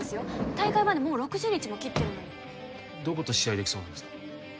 大会までもう６０日も切ってるのにどこと試合できそうなんですか？